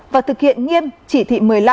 và thực hiện nghiêm chỉ thị một mươi năm